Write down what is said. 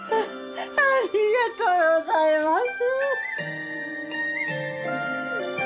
ありがとうございます。